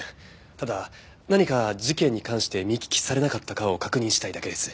ただ何か事件に関して見聞きされなかったかを確認したいだけです。